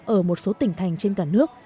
ở một số tỉnh thành trên cả nước